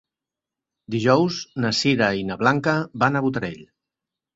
Dijous na Sira i na Blanca van a Botarell.